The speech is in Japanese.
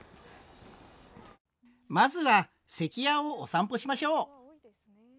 まずは関屋をお散歩しましょう。